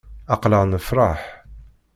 Aql-aɣ nefṛeḥ.